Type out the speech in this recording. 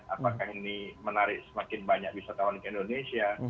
apakah ini menarik semakin banyak wisatawan ke indonesia